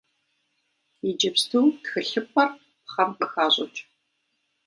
Иджыпсту тхылъымпӏэр пхъэм къыхащӏыкӏ.